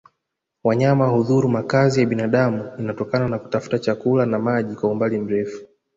wanyama kudhuru makazi ya binadamu inatokana na kutafuta chakula na maji kwa umbali mrefu